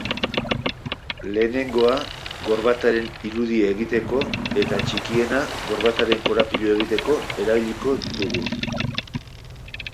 Lehenengoa, gorbataren irudia egiteko eta txikiena, gorbataren korapiloa egiteko erabiliko ditugu.